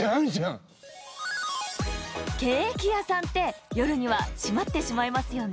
ケーキやさんってよるにはしまってしまいますよね。